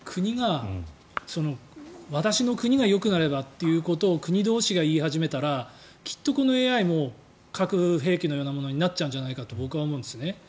私の国がよくなればということを国同士が言い始めたらきっとこのＡＩも核兵器のようなものになっちゃうんじゃないかと僕も思うんです。